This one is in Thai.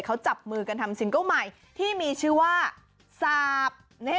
เขาจับมือกันทำซิงเกิ้ลใหม่ที่มีชื่อว่าสาบ